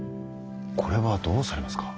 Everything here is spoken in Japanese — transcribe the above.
これはどうされますか。